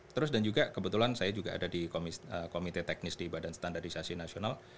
terus dan juga kebetulan saya juga ada di komite teknis di badan standarisasi nasional